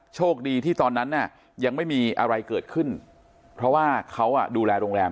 โชคดีที่ตอนนั้นน่ะยังไม่มีอะไรเกิดขึ้นเพราะว่าเขาดูแลโรงแรม